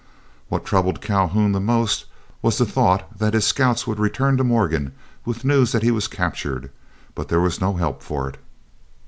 What troubled Calhoun the most was the thought that his scouts would return to Morgan with the news that he was captured, but there was no help for it.